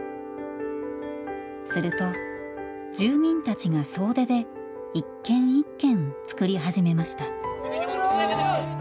すると住民たちが総出で一軒一軒造り始めました。